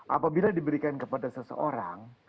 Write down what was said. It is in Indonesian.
apabila diberikan kepada seseorang